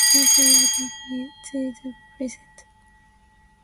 This use continues to the present.